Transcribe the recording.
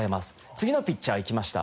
次のピッチャーいきました。